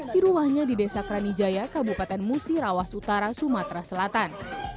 di rumahnya di desa kranijaya kabupaten musirawas utara sumatera selatan